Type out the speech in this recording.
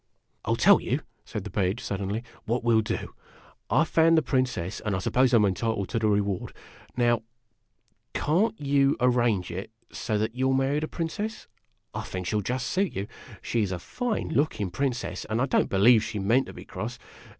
"I '11 tell you," said the Page, suddenly, "what we '11 do. I found the Princess, and I suppose I 'm entitled to the reward. Now, can't you arrange it that you '11 marry the Princess ? I think she '11 just suit you. She is a fine looking Princess, and I don't be lieve she meant to be cross.